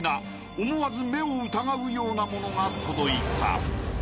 思わず目を疑うようなものが届いた］